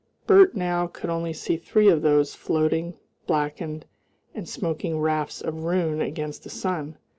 Bert now could see only three of those floating, blackened, and smoking rafts of ruin against the sun.